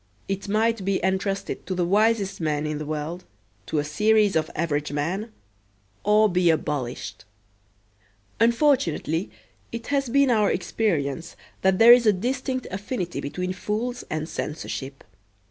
It might be entrusted to the wisest man in the world, to a series of average men, or be abolished. Unfortunately it has been our experience that there is a distinct affinity between fools and censorship.